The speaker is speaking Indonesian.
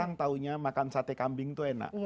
kalau dia maunya makan sate kambing itu enak